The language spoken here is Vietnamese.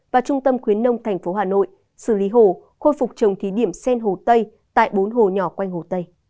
và trung tâm khuyến nông tp hà nội xử lý hồ khôi phục trồng thí điểm sen hồ tây tại bốn hồ nhỏ quanh hồ tây